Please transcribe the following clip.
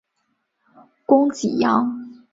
攻济阳。